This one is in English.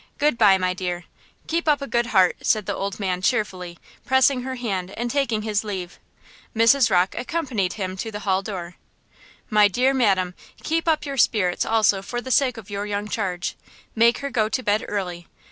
Good by, my dear; keep up a good deart!" said the old man cheerfully, pressing her hand and taking his leave. Mrs. Rocke accompanied him to the hall door. "My dear madam, keep up your spirits also for the sake of your young charge! Make her go to bed early!